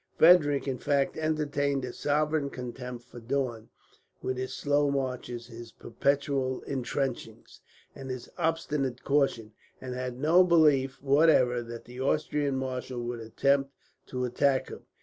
Frederick, in fact, entertained a sovereign contempt for Daun, with his slow marches, his perpetual intrenchings, and his obstinate caution; and had no belief, whatever, that the Austrian marshal would attempt to attack him.